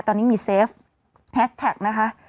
ตอนนี้มีเซฟแฮชแท็กนะคะ